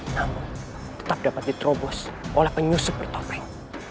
namun tetap dapat diterobos oleh penyusup bertable